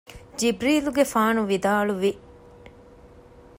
ޖިބްރީލުގެފާނު ވިދާޅުވި